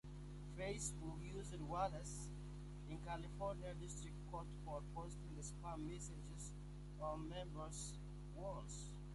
Facebook sued Wallace in California District Court for posting spam messages on members' walls.